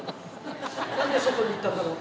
なんで外に行ったんだろう？